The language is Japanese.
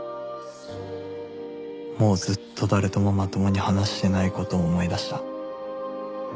もうずっと誰ともまともに話してない事を思い出した